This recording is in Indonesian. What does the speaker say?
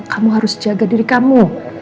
kamu harus jaga diri kamu